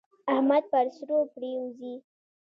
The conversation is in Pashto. احمد پر سرو پرېوزي.